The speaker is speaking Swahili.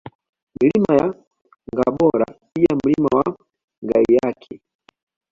Milima ya Ngabora pia Mlima wa Ngaiyaki